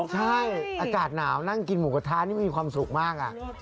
ใช่อากาศหนาวนั่งกินหมูกระทะนี่มันมีความสุขมาก